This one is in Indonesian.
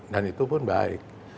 dan itu pun baik